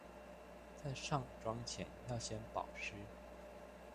在上妝前要先保濕